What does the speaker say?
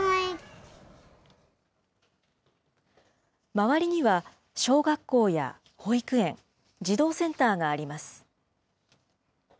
周りには、小学校や保育園、児童センターがあります。